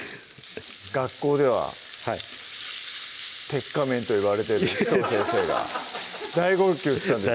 学校でははい鉄仮面と言われてる紫藤先生が大号泣したんですか